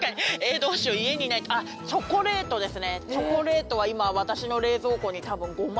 あっチョコレートは今え！